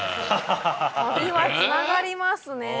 旅はつながりますね。